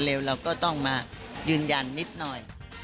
เราก็ต้องมายืนยันนิดหน่อย